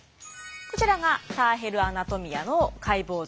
こちらが「ターヘル・アナトミア」の解剖図。